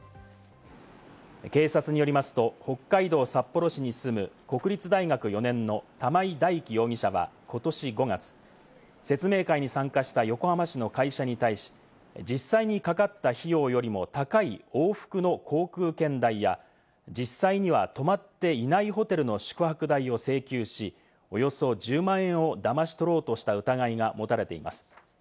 警察によりますと、北海道札幌市に住む国立大学４年の玉井大貴容疑者はことし５月、説明会に参加した横浜市の会社に対し、実際にかかった費用よりも高い往復の航空券代や、実際には泊まっていないホテルの宿泊代を請求し、およそ１０万円をだまし取ろうとした疑いが持たれています。